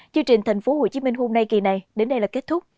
chương trình tp hcm hôm nay kỳ này đến đây là kết thúc